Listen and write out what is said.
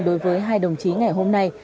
đối với hai đồng chí ngày hôm nay